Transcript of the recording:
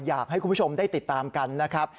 อยากให้คุณผู้ชมได้ติดตามกันนะครับ